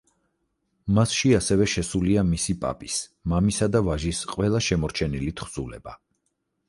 მასში ასევე შესულია მისი პაპის, მამისა და ვაჟის ყველა შემორჩენილი თხზულება.